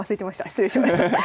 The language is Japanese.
失礼しました。